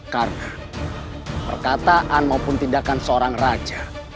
karena perkataan maupun tindakan seorang raja